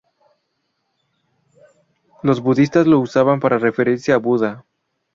Los budistas lo usan para referirse a Buda.